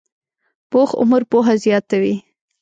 پوخ عمر پوهه زیاته وي